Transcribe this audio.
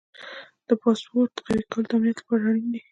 د پاسورډ قوي کول د امنیت لپاره اړین دي.